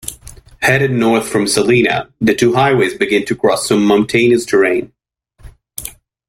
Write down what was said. Headed north from Salina, the two highways begin to cross some mountainous terrain.